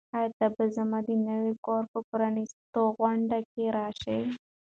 آیا ته به زما د نوي کور په پرانیستغونډه کې راشې؟